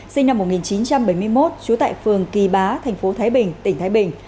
sinh năm một nghìn chín trăm bảy mươi một trú tại phường kỳ bá thành phố thái bình tỉnh thái bình